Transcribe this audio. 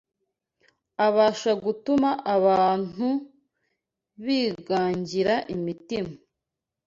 abasha gutuma abantu bingangira imitima